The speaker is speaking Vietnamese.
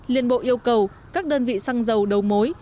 liên bộ yêu cầu các đơn vị xăng dầu đầu mối